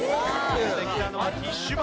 出てきたのはティッシュ箱。